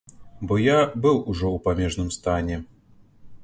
Бо я быў ужо ў памежным стане.